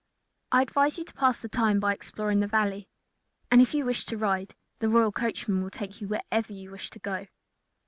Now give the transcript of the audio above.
I advise you to pass the time by exploring the Valley, and if you wish to ride, the royal coachmen will take you wherever you wish to go."